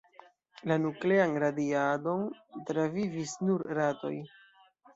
La nuklean radiadon travivis nur ratoj.